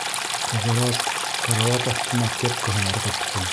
Ҡыҙырас карауат аҫтына кепкаһын ырғытты.